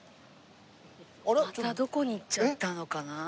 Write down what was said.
またどこに行っちゃったのかな？